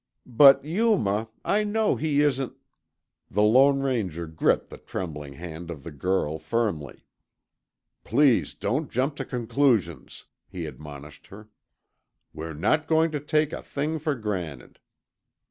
"But Yuma, I know he isn't " The Lone Ranger gripped the trembling hand of the girl firmly. "Please don't jump to conclusions," he admonished her. "We're not going to take a thing for granted."